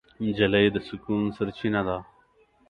نجلۍ د سکون سرچینه ده.